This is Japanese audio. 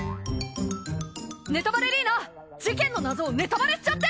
ネタバレリーナ事件の謎をネタバレしちゃって。